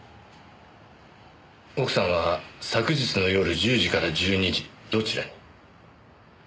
奥さんは昨日の夜１０時から１２時どちらに？